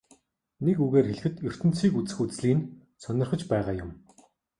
Нэг үгээр хэлэхэд ертөнцийг үзэх үзлий нь сонирхож байгаа юм.